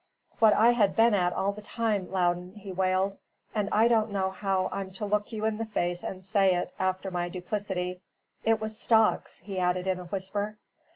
"What I had been at all the time, Loudon," he wailed; "and I don't know how I'm to look you in the face and say it, after my duplicity. It was stocks," he added in a whisper.